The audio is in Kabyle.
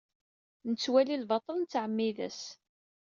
Nettwali lbaṭel, nettɛemmid-as.